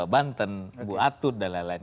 banten bu atut dan lain lain